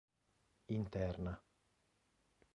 interna